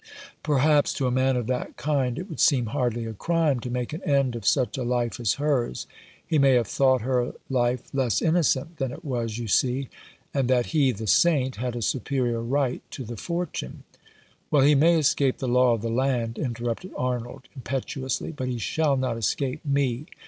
Perhaps to a man of that kind it would seem hardly a crime to make an end of such a life as hers. He may have thought her life less innocent than it was, you see — and that he, the saint, had a superior right to the fortune." "Well, he may escape the law of the land," interrupted Arnold, impetuously, "but he shall not escape me.